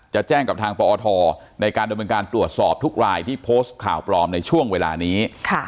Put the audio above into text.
จะแจ้งกับทางปอทในการดำเนินการตรวจสอบทุกรายที่โพสต์ข่าวปลอมในช่วงเวลานี้